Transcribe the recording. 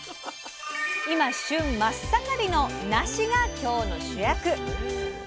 今旬真っ盛りの「なし」が今日の主役。